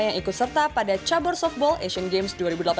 yang ikut serta pada cabur softball asian games dua ribu delapan belas